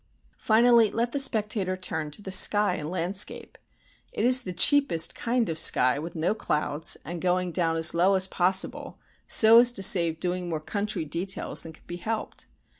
Finally, let the spectator turn to the sky and landscape. It is the cheapest kind of sky with no clouds and going down as low as possible, so as to save doing more country details than could be helped.